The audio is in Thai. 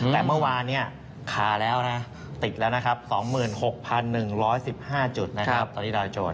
แต่เมื่อวานตรีกแล้ว๒๖๑๑๕จุดตอนที่โดยโจทย์